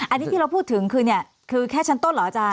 อันนี้ที่เราพูดถึงคือเนี่ยคือแค่ชั้นต้นเหรออาจารย